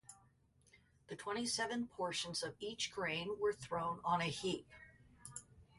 The twenty-seven portions of each grain were thrown on a heap.